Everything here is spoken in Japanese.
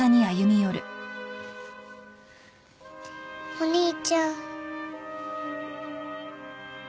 お兄ちゃん。